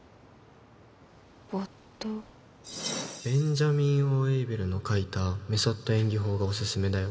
没頭ベンジャミン・ Ｏ ・エイベルの書いたメソッド演技法がオススメだよ